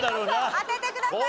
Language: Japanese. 当ててください！